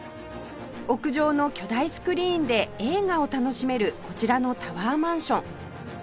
屋上の巨大スクリーンで映画を楽しめるこちらのタワーマンション